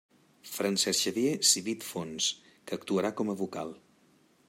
Francesc Xavier Civit Fons, que actuarà com a vocal.